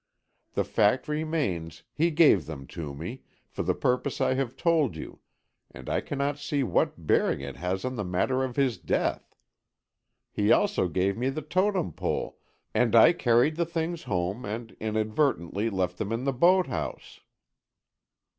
The fact remains, he gave them to me, for the purpose I have told you, and I cannot see what bearing it has on the matter of his death. He also gave me the Totem Pole, and I carried the things home, and inadvertently left them in the boathouse."